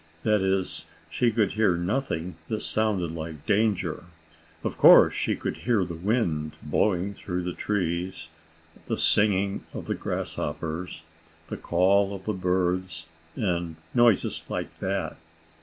That is, she could hear nothing that sounded like danger. Of course she could hear the wind blowing through the trees, the singing of the grasshoppers, the call of the birds and noises like that.